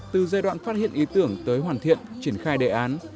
từ giai đoạn phát hiện ý tưởng tới hoàn thiện triển khai đề án